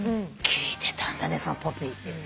聞いてたんだねそのポピー。